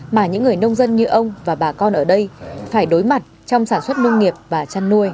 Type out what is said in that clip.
mà những người nông dân như ông và bà con ở đây phải đối mặt trong sản xuất nông nghiệp và chăn nuôi